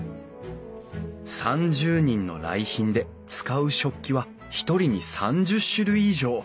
３０人の来賓で使う食器は一人に３０種類以上。